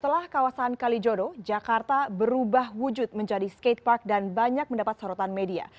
setelah kawasan kalijodo jakarta berubah wujud menjadi skatepark dan banyak mendapat sorotan media